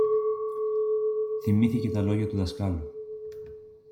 Θυμήθηκε τα λόγια του δασκάλου